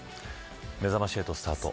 めざまし８スタート。